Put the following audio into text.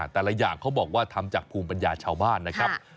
แต่ละอย่างเขาบอกว่าทำจากภูมิปัญญาชาวบ้านนะครับ